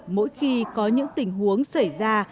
mỗi khi có những tình huống xảy ra